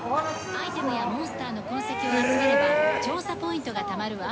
◆アイテムやモンスターの痕跡を集めれば調査ポイントがたまるわ。